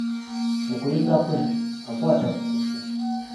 Mu kuyiga kwe, akwata bukusu.